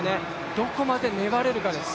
どこまで粘れるかです。